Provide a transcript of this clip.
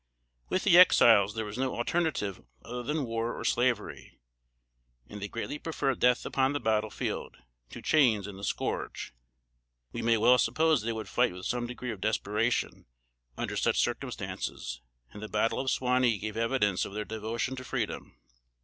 With the Exiles, there was no alternative other than war or slavery; and they greatly preferred death upon the battle field, to chains and the scourge. We may well suppose they would fight with some degree of desperation, under such circumstances; and the battle of Suwanee gave evidence of their devotion to freedom.